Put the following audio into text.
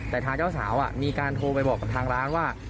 แต่ทางเจ้าสาวมีการโทรไปบอกกับทางร้านว่า